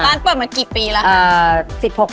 เปิดมากี่ปีแล้วค่ะ